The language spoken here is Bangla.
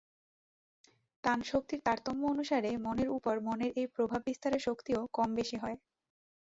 তানশক্তির তারতম্য অনুসারে মনের উপর মনের এই প্রভাব-বিস্তারের শক্তিও কম-বেশী হয়।